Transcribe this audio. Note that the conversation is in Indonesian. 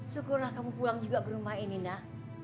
syukurlah kamu pulang juga ke rumah ini nah